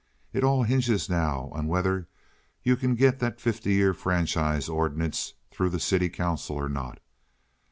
It all hintges now on vether you can get dot fifty year franchise ordinance troo de city council or not.